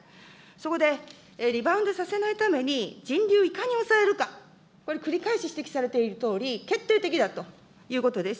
そこで、リバウンドさせないために、人流、いかに抑えるか、これ、繰り返し指摘されているとおり、決定的だということです。